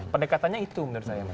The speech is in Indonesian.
pendekatannya itu menurut saya